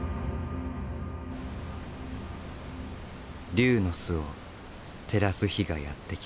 龍の巣を照らす日がやって来た。